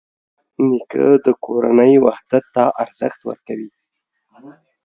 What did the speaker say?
نیکه د کورنۍ وحدت ته ارزښت ورکوي.